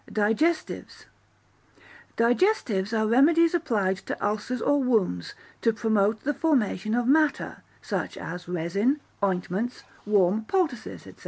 Digestives Digestives are remedies applied to ulcers or wounds, to promote the formation of matter, such as resin, ointments, warm poultices, &c.